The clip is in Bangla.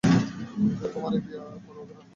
কেউ তোমার এসির পরোয়া করে না।